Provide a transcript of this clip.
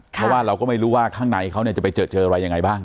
เพราะว่าเราก็ไม่รู้ว่าข้างในเขาจะไปเจออะไรยังไงบ้าง